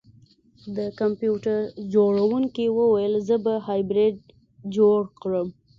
د کمپیوټر جوړونکي وویل زه به هایبریډ جوړ کړم